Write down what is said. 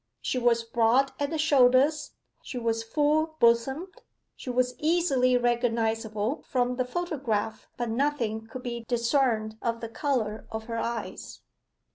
She was broad at the shoulders. She was full bosomed. She was easily recognizable from the photograph but nothing could be discerned of the colour of her eyes.